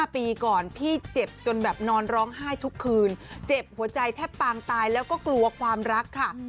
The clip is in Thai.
ปีก่อนพี่เจ็บจนแบบนอนร้องไห้ทุกคืนเจ็บหัวใจแทบปางตายแล้วก็กลัวความรักค่ะ